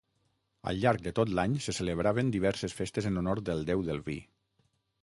Al llarg de tot l'any se celebraven diverses festes en honor del déu del vi.